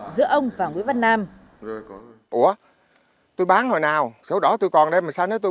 giữa ông và nguyễn văn nam